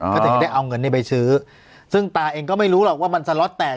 ก็ถึงจะได้เอาเงินนี้ไปซื้อซึ่งตาเองก็ไม่รู้หรอกว่ามันสล็อตแตก